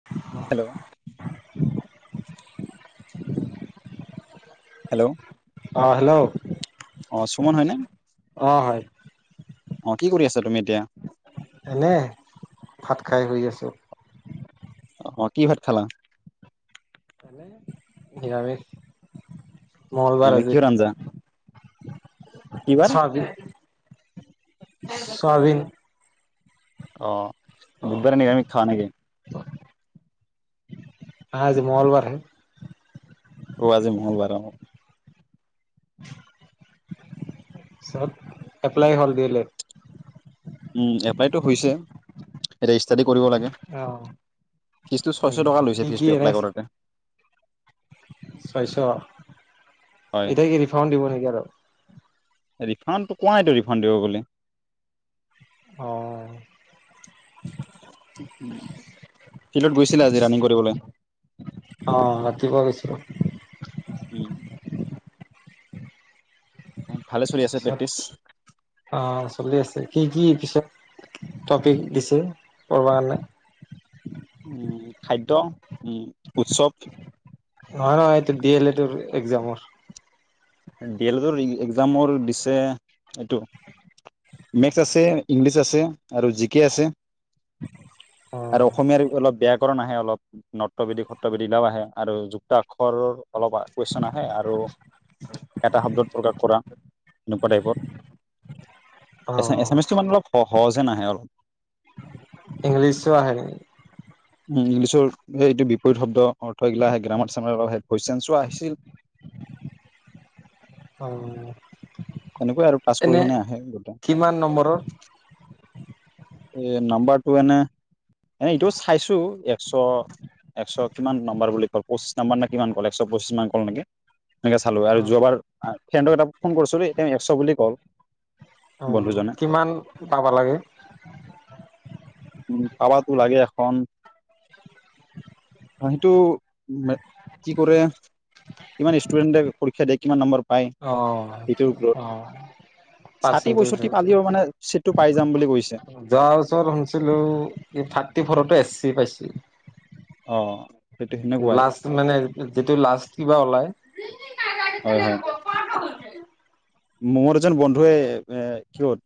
[unintelligible] Hello, hello, অ', hello, অ', সুমন হয়নে? অ', হয়। অ', কি কৰি আছা তুমি এতিয়া? এনে ভাত খাই শুই আছো। অ', কি ভাত খালা? [unintelligible] নিৰামিষ মংগলবাৰ এনে আজি, কিহৰ আঞ্জা কি বাৰ চয়াবিন চয়াবিন। অ', বুধবাৰে নিৰামিষ খাওঁ নেকি? আহ', আজি মঙলবাৰহে অ', আজি মঙলবাৰ অ, [unintelligible] চ'ব এপ্লাই হ'ল দি এ লেদ উম', এপ্লাইতটো হৈছে। এতিয়া ষ্টাডিৰ কৰিব লাগে। অ ফিজটো আমি ছয়শ টকা লৈছে। ফিজটো এপ্লাই কৰোতে। ছয়শ হয় এতিয়া কি ৰিফ্ৰাণ্ড দিব নেকি আৰু ৰিফ্ৰাণ্ডটো কোৱা নাইটো ৰিফ্ৰাণ্ড দিব বুলি। অহ', ফিল্ডত গৈছিলা। আজি ৰানিং কৰিবলৈ। অ', ৰাতিপুৱা গৈছোঁ। উম', ভালে চলি আছে পিছত প্ৰেক্টিচ? অ', চলি আছে। কি কি পিছত টপিক দিছে, কৰবা কাৰণে উম', খাদ্য উম, উৎসৱ। নহয়, নহয়। এইটো ডি এল এডৰ এক্সমৰ। ডি এ লেড এক্সামৰ দিছে এইটো। মেকছ আছে, ইংলিছ আছে, আৰু জি কে আছে। অ আৰু অসমীয়াৰ অলপ ব্যয়াকৰণ আহে অলপ। নট্ৰবেদি সত্ৰবিদিলাও আহে আৰু যুক্ত আখৰৰ অলপ কুৱেশ্যন আহে আৰু [unintelligible] এটা শব্দত প্ৰকাশ কৰা, এনেকুৱা টাইপত, অ এচ এছামিচটো মানে অলপ, অ' সহজে নাহে অলপ। ইংলিছো আহে নেকি? উম, ইংলিছৰ সেই এইটো বিপৰীত শব্দ অৰ্থ এইগিলা আহে গ্ৰামাৰ চামাৰ আহে, ভইচেঞ্চচো আহিছিল। হয়। তেনেকই আৰু পাছ কৰি কেনে আহে গোটেই। কিমান নম্বৰৰ। এই নাম্বাৰটো এনে এনে এইটো চাইছোঁ একশ, একশ কিমান নম্বাৰ বুলি ক'লে, পঁচিশ নাম্বাৰ নে কিমান ক'লে একশ পঁচিশ মান ক'লে নেকি? এনেকে চালোঁ আৰু অ', যোৱাবাৰ ফ্ৰেণ্ডক এটা ফোন কৰিছোঁ, তেওঁ একশ বুলি কল। উম, বন্ধুজনে কিমান পাবা লাগে? উম, পাবাতো লাগে এখন, মানুহটো মে কি কৰে। কিমান ষ্টুডেণ্টে পৰীক্ষা দিয়ে কিমান নম্বৰ, পায় অহ' অ' চাঠি পাৰ্চেন্টেজ পয়ছষ্ঠি পালিও মানে চিটটো পাই যাম বুলি কৈছে। যোৱা বছৰত শুনিছিলোঁ থ্ৰাটি ফৰতো এছ চি পাইছিল। অ' সেইটো সেনেকুৱাই লাষ্ট মানে যিটো লাষ্ট কিবা ওলাই, হয়, হয়। মোৰ এজন বন্ধুৱে এ কিয়ত,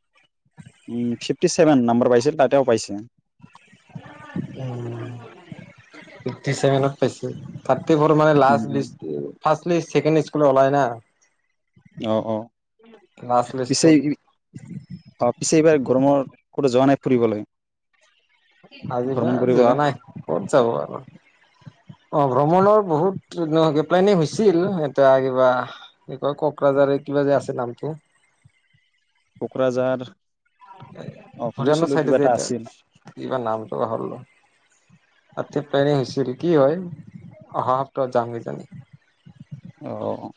উম, ফ্ৰিফটি ছেভেন নাম্বৰ পাইছিল তাতেও পাইছে। উম। ফ্ৰিফটি ছেভেনত পাইছে, থ্ৰাটি ফৰৰ মানে উম লাষ্ট উম list, first list, second list খনো ওলাই না। অ' অ' লাষ্ট পিছে লিষ্টত এইখি, অ' পিছে এইবাৰ গৰমৰ ক'তো যোৱা নাই ফুৰিবলৈ। আজি ব ভ্ৰমণ যোৱা কৰিবলৈ নাই ক'ত যাব আৰু, অ ভ্ৰমণৰ বহুত গ প্লেনিং হৈছিল এটায়া কিবা এই কয় ককৰাজাৰে কিবা যে আছে নামটো। কোকৰাঝাৰ অ শুনিছিলো কিবা এটা আছিল। কিবাৰ নাম তকা হল, ত পেনে হৈছিল কি হয় অহা সপ্তাহত যামগেইজানি, অ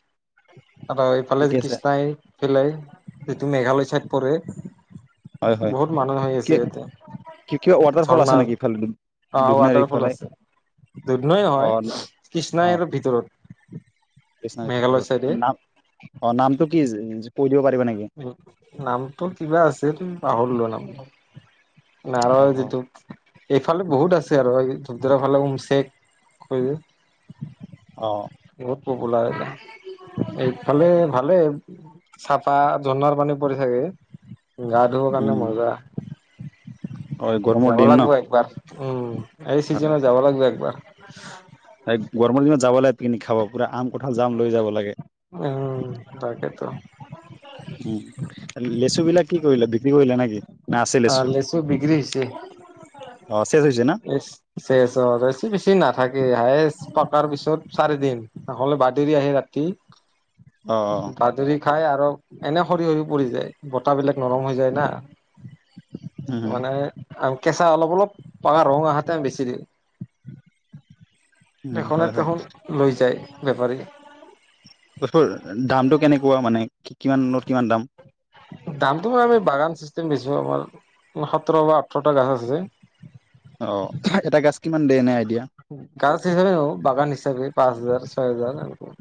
আৰু এইফালে ঠিকে আছে কৃষ্ণাই পেলাই যিটো মেঘালয় চাইদ পৰে। হয় হয় বহুত মানুহ হৈ কিবা আছে ইয়াতে। কিবা ৱাটাৰফল আছে ঝৰ্ণাৰ নেকি ইফালে দু অ দুধনৈৰ ৱাটাৰ ফল ইফালে আছে। দুধ নৈ হয় অ', কৃষ্ণাইৰ আৰু ভিতৰত। কৃষ্ণাইৰ মেঘালয় ভিতৰত চাইডে অ নাম অ নামটো কি কৈ দিব পাৰিবা নেকি? নামটো কিবা আছিল পাহৰলোৱা নাম। অ নাহৰৰ অ যিতু, এইফালে বহুত আছে আৰু এই ধূপধাৰা ফালে উওমশেক ক, অ বহুত পপুলাৰ এয়া এইফালে ভালে চা, চাহ ঝণাৰ পানী পৰি থাগে গা ধুব উম কাৰণে মজা। হয় গৰমৰ যাব দিন ন লাগিব একবাৰ, উম। এই চিজনত হয় যাব লাগিব একবাৰ। গৰমৰ দিনত যাব লাগে পিকনিক খাব পুৰা আম কঠাল জাম লৈ যাব লাগে। উম তাকেতো উ লেচু বিলাক কি কৰিলে বিক্ৰী কৰিলা নেকি? না আছে আহ লেচু? বিক্ৰী অ শেষ হৈছে ন? চেচ চেচ অ, লেচু বেছি বেছি নাথাকে হায়েচ পকাৰ পিছত চাৰি দিন। নহ'লে বাদেৰি আহে ৰাতি। অ অ। বাদৰি খাই আৰু এনে সৰি সৰি পৰি যায় বতাবিলাক নৰম হৈ যায় না। উম হুম মানে আ কেঁচা অলপ অলপ পা ৰং আহাতে বেছি দিওঁ। উম তেখনে হয় হয় তেখোন লৈ যায় বেপাৰী। বস্তুৰ দামটো কেনেকুৱা মানে, কি কিমানত কিমান দাম? দামটো মান আমি বাগান চিষ্টেম দিছো আমাৰ সোতৰ বা আঠৰটা গাছ আছে। অ এটা গাছ কিমান দেই এনে আইডিয়া। গাছ হিচাপে ন বাগান হিচাপে পাঁচ হাজাৰ ছয় হাজাৰ এনেকুৱা।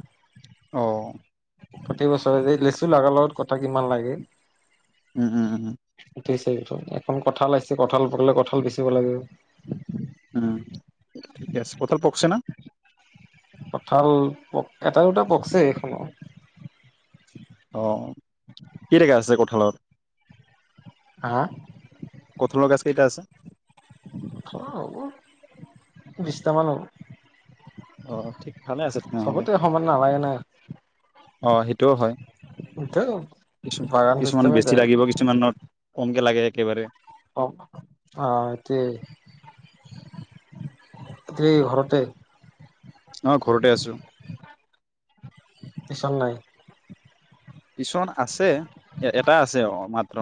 অ। প্ৰতি বছৰ লেচু লগাৰ লগত কথা কিমান লাগিল। উম-উম-উম-উম। উঠিছে [unintelligible] এখন কঁঠাল আহিছে কঁঠাল পকিলে কঁঠাল বেচিব লাগিব। উ ঠিকে আছে, কঁঠাল পকচে না? কঁঠাল পক এটা দুটা পকছে এইখন। অ কিটা গাছ আছে কঁঠালৰ? হা? কঁঠালৰ গছ কেইটা আছে? খোৱাব হ'ব, বিছটামান হ'ব। আহ ঠিক ভালে আছে তেনেহ'লে। চবতে সমান নালাগে না অ সেইটোও হয় এতিয়া কিছু বাগান কিছুমানত চিষ্টেমে বেছি যায় লাগিব কিছুমানত কমকে লাগে একেবাৰে। অ অ [unintelligible] ঘৰতে। অহ ঘৰতে আছো। টিউশন নাই? টিউশ্যন আছে, এটা আছে মাত্ৰ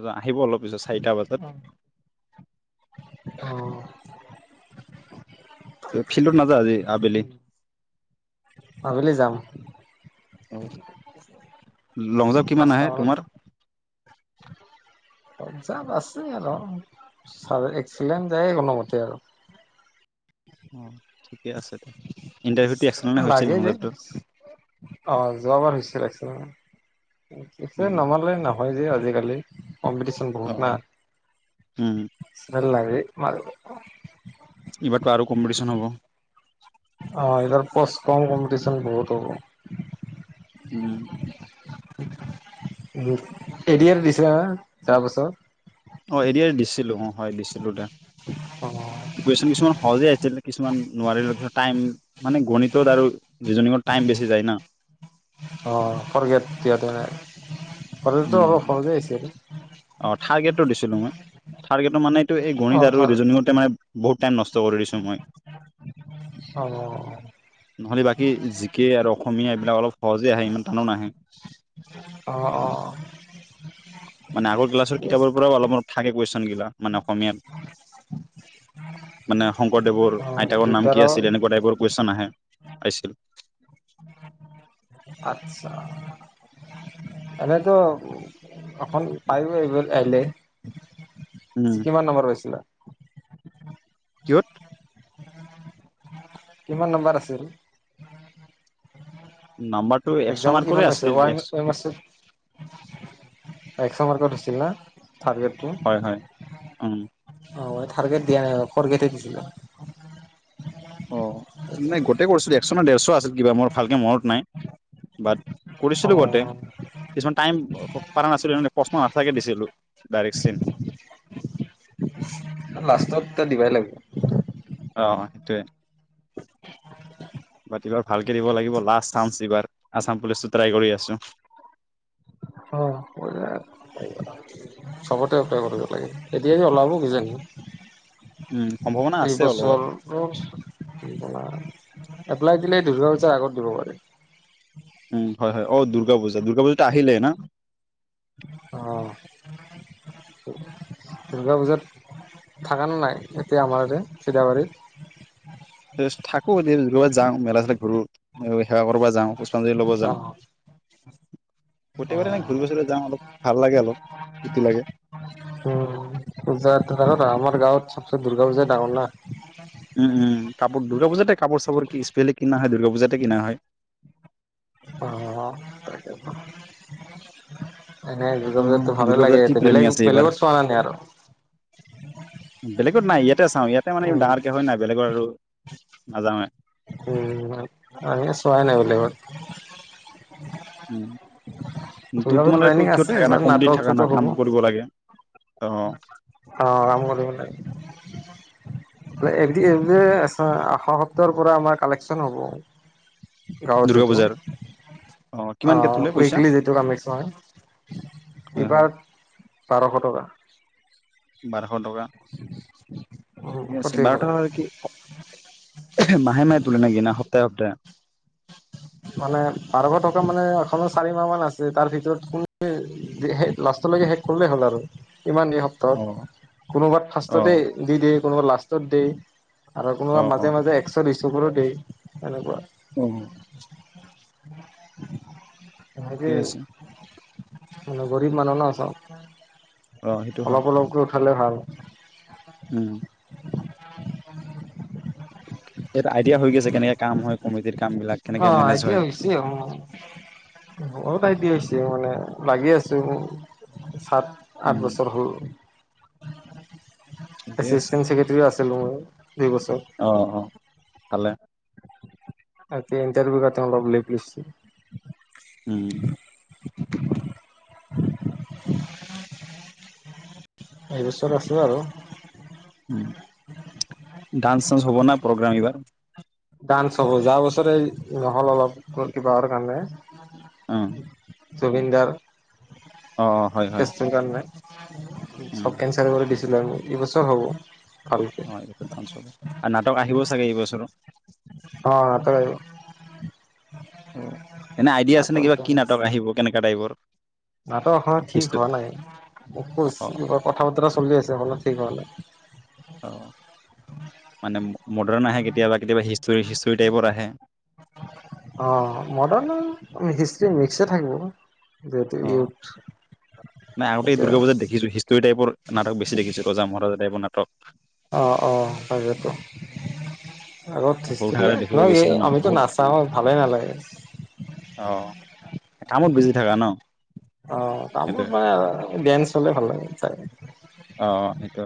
এজন অলপ পিছত চাৰিটা বজাত। অ। ফিল্ডত নাযায় আজি আবেলি? অ আবেলি যাম। লংজাম্প কিমান পাঁচটা আহে মানত তোমাৰ? লংজাম্প আছে আৰু, ছা এক্সিডেণ্ট যায় কোনোমতে আৰু। অ ঠিকে আছে দে, ইণ্টাৰভিউটো এক্সিলেণ্ট হৈছিল লাগে যে লংজাম্পটোত? অ যোৱাবাৰ হৈছিল এক্সিলেণ্ট, এতিয়া নমাৰিলে নহ হয় যে আজিকালি কম্পিটিশ্যন বহুত না। অ', উম, [unintelligible] এইবাৰতো আৰু কম্পিটিশন হ'ব। অ এইহতৰ পষ্ট ক'ম কম্পিটিচন বহুত হ'ব। উম। উম এ ডি আৰ দিছিলা না যোৱা বছৰ? অ' এ' ডি আৰ অ' দিছিলো হয় দিছিলো দে অ'অ কোৱেশ্যন কিছুমান সহজে আহিছিল, কিছুমান নোৱাৰিলো টাইম মানে গণিতত আৰু ৰিজইনীঙৰ টাইম বেছি যায় না অ' ফ'ৰ্টগ্ৰেড দিয়তেনে ফ'ৰ্টগ্ৰডৰটো উম, অলপ সহজে আহিছে আৰু অ' থাৰ্ড গ্ৰেডটো দিছিলো মই, থাৰ্ড গ্ৰেডত মানে এইটো এই অ গণিত আৰু থাৰ ৰিজইনীঙতে মানে বহুত টাইম নষ্ট কৰি দিছো মই অ'অ‌ নহলে বাকী জি কে আৰু অসমীয়া এইবিলাক অলপ সহজে আহে, ইমান টানো নাহে অ', অ' মানে আগৰ ক্লাছৰ কিতাপৰ পৰাওঁ অলপ থাকে কুৱেশ্যন বিলাক, মানে অসমীয়াত মানে শংকৰদেৱৰ অ আইতাকৰ নাম দুটাৰ কি আছিল এনেকুৱা টাইপৰ কুৱেশ্যন আহিছিল উ আচ্ছা এনেতো অখন পায়ো এইব আহিলে উম, কিমান নম্বৰ পাইছিলা কিহ'ত কিমান নম্বাৰ আছি নাম্বাৰটো একশ মাৰ্কৰে আছিল ম আছে একশ মাৰ্কৰ আছিল না থাৰ্ড গ্ৰেড টো হয়, হয় উম অ' মই থাৰ্ড গ্ৰেড দিয়া নাই, ফ'ৰ্ট গ্ৰেড দিছিলো অ' নাই গোটেই কৰিছিলো একশ নে ডেৰশ আছিল কিবা মোৰ ভালকে মনত নাই বাট অ কৰিছিলো গোটেই কিছুমান টাইম প পৰা নাছিলো, প্ৰশ্ন নাথাকে দিছিলোঁ ডাইৰেক্ট চেম উ লাষ্টত এটা দিবই লাগিব অ', অ' সেইটোৱেই এইবাৰ ভালকে দিব লাগিব লাষ্ট চান্স এইবাৰ, আচাম পুলিচো ট্ৰাই কৰি আছো অ' ব চবতে ট্ৰাই কৰিব লাগে, এতিয়া ওলাব কিজানি উম, সম্ভাৱনা আছে অলপমান এইবছৰ এপ্লাই দিলে দুৰ্গা পূজাৰ আগত দিব পাৰে উম হয় হয় অ দুৰ্গা পূজা দুৰ্গা পূজাটো আহিলে না আহ দুৰ্গা পূজাত থাকা নে নাই এতিয়া আমাৰতে চিদাবাৰীত থাকো যাওঁ মেলা ছেলা ঘূৰো সেৱা কৰিব যাওঁ পুষ্পাঞ্জলী লব অ যাওঁ প্ৰত্যেকবাৰে এনে অ ঘূৰিব চূৰিব যাওঁ অলপ ভাল লাগে অলপ ফূৰ্তি লাগে উ পূজাত আমাৰ গাঁৱত চবচে দুৰ্গা পূজা ডাঙৰ না উম উম কাপোৰ দুৰ্গা পূজাতে কাপোৰ চাপোৰ কি স্পেচেলি কিনা হয় দুৰ্গা পূজাতে কিনা হয় অ তাকে এনেই দুৰ্গা অ' পুজাততো ভালে দুৰ্গা লাগে পূজাৰ কি ইতে প্লেনিং বেলেগ আছে এইবাৰ বেলেগত চোৱা নাই আৰু বেলেগত নাই ইয়াতে চাও ইয়াতে মানে উম, ডাঙৰকে হয় নাই বেলেগৰ আৰু নাযাওএ উম আমিও চোৱাই নাই বেলেগত উম, দুৰ্গা পূজাৰ তোমালোকেটো প্লেনিং কিহত আছে থাকা না এইবাৰ কমিটিত নাটক থাকা না চাটক কাম হ'ব কৰিব লাগে। অ অ', কাম কৰিব লাগে। [unintelligible] আহা সপ্তাহৰ পৰা আমাৰ কালেকশ্যন হ'ব। গাঁৱত দুৰ্গা যিহেতু। পূজাৰ অ কিমানকে অ', তোলে পইচা উইকলি যিটো [unintelligible] হয় হয় এইবাৰ বাৰশ টকা। বাৰশ টকা। [inaudible] ঠিকে আছে প্ৰতি বাৰশ ঘৰে টকা কি মাহে মাহে তোলে নেকি না সপ্তাহে সপ্তাহে? মানে বাৰশ টকা মানে কমেও চাৰি মাহ মান আছে তাৰ ভিতৰত কোন লাষ্টলৈকে শেষ কৰিলে হ'ল আৰু কিমান দিয়ে হক। অ ত' কোনোবাত অ ফাৰ্ষ্টতে দি দিয়ে কোনোবা লাষ্টত দিয়ে। আৰু অ কোনোবা অ মাজে মাজে একশ দুইশ কৰি দিয়ে তেনেকুৱা। উম। [inaudible] মানে ঠিকে আছে গৰীব মানুহ ন চব অ সেইটো হয় অলপ অলপকৈ উঠালে ভাল। উম। ইয়াত আইডিয়া হৈ গৈছে কেনেকে কাম হয় কমিটিৰ কামবিলাক অ কেনেকে মেনেজ হয়। [inaudible] বহুত আইডিয়া হৈছে মানে লাগি আছো মোৰ সাত উম আঠ বছৰ হ'ল। ঠিকে আছে এচিষ্টেণ্ট ছেক্ৰেটাৰীও আছিলো মই দুইবছৰ। অ', অ', ভালে। [inaudible] উম। [inaudible] এইবছৰ আছো আৰু। উম, ডান্স চান্স হ'ব না প্ৰগ্ৰাম এইবাৰ? ডান্স হ'ব যোৱা বছৰে নহ'ল অলপ কিবাহৰ কাৰণে। অ জুবিন দাৰ অ হয় হয় কেচটোৰ কাৰণে উম চব কে কেঞ্চেল কৰি দিছিলো আমি এইবছৰ হ'ব ভাল। [unintelligible] আৰু নাটক আহিব চাগে এইবছৰো। অ' নাটক আহিব। অ', এনে আইডিয়া আছে নে নাটক কিবা কি নাটক আহিব কেনেকুৱা টাইপৰ? নাটকখনৰ ঠিক হিষ্ট হোৱা নাই মোক অ কৈছে কথা বতৰা চলি আছে হ'লেও ঠিক হোৱা নাই। অ', মানে মডাৰ্ণ আহে কেতিয়াবা কেতিয়াবা হিষ্টৰী চিষ্টৰী টাইপৰ আহে। অ', মডাৰ্ণ আৰু হিষ্ট্ৰি মিক্সয়ে থাকিব। যিহেতু অ', ইউথ নাই আগতে এতিয়া দুৰ্গা পূজাত দেখিছোঁ হিষ্টৰী টাইপৰ নাটক বেছি দেখিছো ৰজা মহাৰজ টাইপৰ নাটক। অ', অ', তাকেতো। আগত সৰু হিষ্ট্রি থাকোতে দেখিব এই গৈছিলো ন আমিতো বহুত নাচাওঁ ভালে নালাগে। অ', কামত বিজি থাকা ন? অ', কামত সেইটোৱে মানে ডেন্স হ'লে ভাল লাগে চাই। অ', অ', সেইটো।